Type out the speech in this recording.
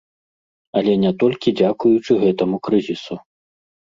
Але не толькі дзякуючы гэтаму крызісу.